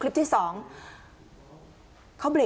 ไอ้คันกระบะ